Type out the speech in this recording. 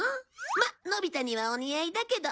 まっのび太にはお似合いだけど。